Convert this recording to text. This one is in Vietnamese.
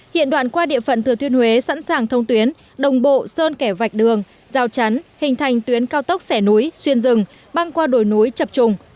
hiện đoạn qua địa phận thừa thuyên huế sẵn sàng thông tuyến đồng bộ sơn kẻ vạch đường giao chắn hình thành tuyến cao tốc xẻ núi xuyên rừng băng qua đồi núi chập trùng